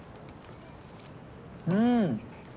うん。